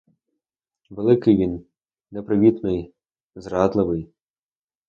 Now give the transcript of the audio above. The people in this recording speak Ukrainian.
Великий він, непривітний, зрадливий.